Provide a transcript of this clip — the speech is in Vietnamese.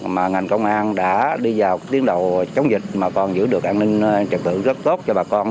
mà ngành công an đã đi vào tiến đầu chống dịch mà còn giữ được an ninh trật tự rất tốt cho bà con